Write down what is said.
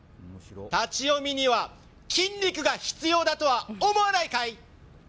立ち読みには筋肉が必要だとは思わないかい？